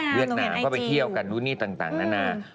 เวียดนามก็ไปเที่ยวกันดูนี่ต่างนั้นนะ